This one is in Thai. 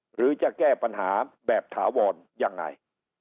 หรือจะแก้ปัญหาแบบถาวรยังไง